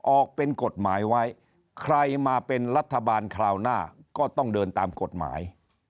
ออกเป็นกฎหมายไว้ใครมาเป็นรัฐบาลคราวหน้าก็ต้องเดินตามกฎหมาย